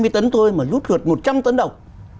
hai trăm hai mươi tấn thôi mà rút thuật một trăm linh tấn đồng